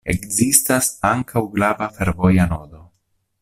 Ekzistas ankaŭ grava fervoja nodo.